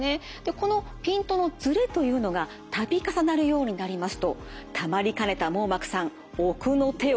このピントのずれというのが度重なるようになりますとたまりかねた網膜さん奥の手を使います。